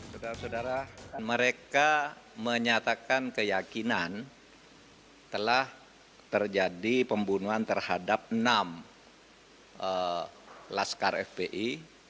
saudara saudara mereka menyatakan keyakinan telah terjadi pembunuhan terhadap enam laskar fpi